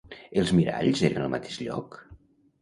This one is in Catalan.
Els miralls eren al mateix lloc?